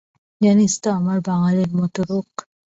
জানিস তো আমার বাঙালের মত রোক।